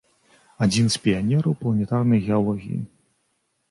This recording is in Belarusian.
Адзін з піянераў планетарнай геалогіі.